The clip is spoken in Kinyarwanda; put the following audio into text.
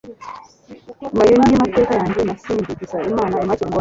mayo niyo mateka yanjye na ,,simbi gusa imana imwakire mubayo